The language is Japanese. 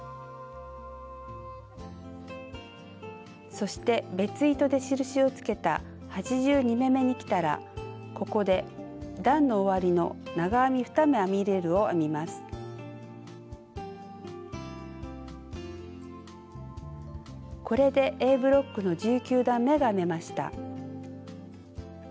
そして別糸で印をつけた８２目めにきたらここでこれでＡブロックの１９段めが編めました。